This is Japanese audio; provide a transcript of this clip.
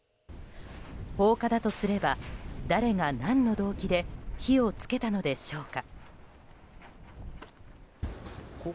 放火だとすれば、誰が何の動機で火を付けたのでしょうか。